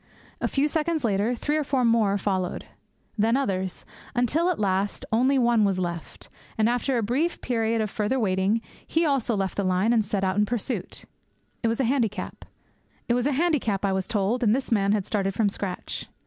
A few seconds later, three or four more followed; then others; until at last only one was left; and, after a brief period of further waiting, he also left the line and set out in pursuit. It was a handicap, I was told, and this man had started from scratch.